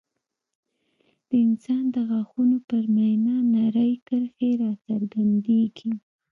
د انسان د غاښونو پر مینا نرۍ کرښې راڅرګندېږي.